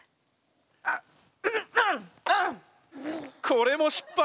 これも失敗。